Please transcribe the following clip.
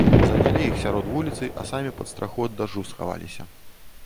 Занялі іх сярод вуліцы, а самі пад страху ад дажджу схаваліся.